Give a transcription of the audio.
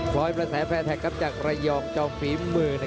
รอยกระแสแฟร์แท็กจากระยองจองฝีมือ